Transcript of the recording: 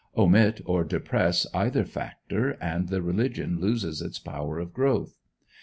Omit or depress either factor, and the religion loses its power of growth.